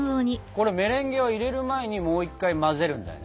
メレンゲは入れる前にもう一回混ぜるんだよね？